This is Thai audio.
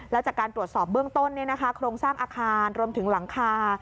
แล้วจากการตรวจสอบเบื้องต้นโครงสร้างอาคารรวมถึงหลังคา